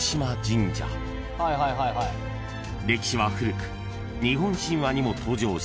［歴史は古く日本神話にも登場し］